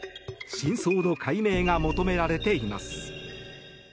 真相の解明が求められています。